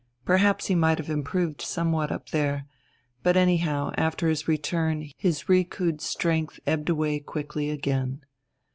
Perhaps he might have improved somewhat up there. But anyhow after his return his recouped strength ebbed away quickly again.